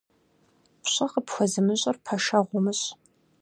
Пщӏэ къыпхуэзымыщӏыр пэшэгъу умыщӏ.